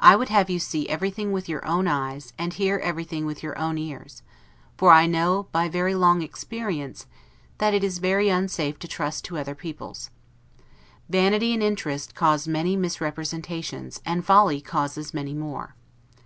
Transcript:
I would have you see everything with your own eyes, and hear everything with your own ears: for I know, by very long experience, that it is very unsafe to trust to other people's. Vanity and interest cause many misrepresentations, and folly causes many more.